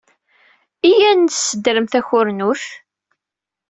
Iyya ad nessedrem takurmut.